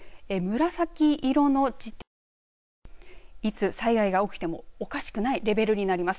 紫色の時点でいつ災害が起きてもおかしくないレベルになります。